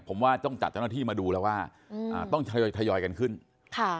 ผมว่าต้องจัดเจ้าหน้าที่มาดูแล้วว่าอืมอ่าต้องทยอยทยอยกันขึ้นค่ะ